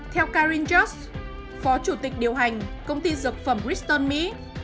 theo karin just phó chủ tịch điều hành công ty dược phẩm bristol mỹ